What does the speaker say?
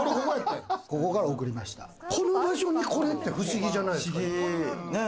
この場所にこれって不思議じゃないですか？